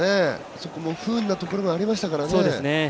そこも不運なところもありましたからね。